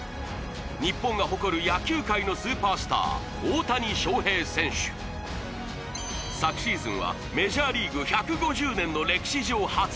日本が誇る野球界のスーパースター昨シーズンはメジャーリーグ１５０年の歴史上初！